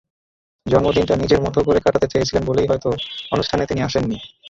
জন্মদিনটা নিজের মতো করে কাটাতে চেয়েছিলেন বলেই হয়তো অনুষ্ঠানে তিনি আসেননি।